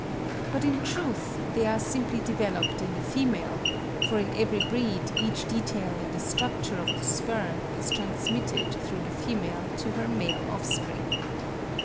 But in truth they are simply developed in the female; for in every breed each detail in the structure of the spur is transmitted through the female to her male offspring.